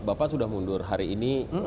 bapak sudah mundur hari ini